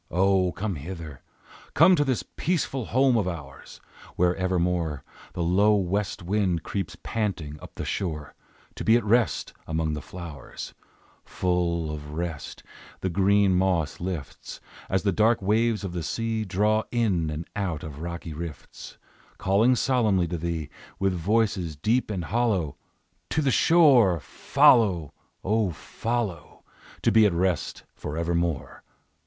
O come hither; Come to this peaceful home of ours, Where evermore The low west wind creeps panting up the shore To be at rest among the flowers; Full of rest, the green moss lifts, As the dark waves of the sea Draw in and out of rocky rifts, Calling solemnly to thee With voices deep and hollow, "To the shore Follow! O, follow! To be at rest forevermore!